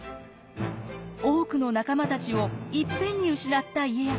多くの仲間たちをいっぺんに失った家康。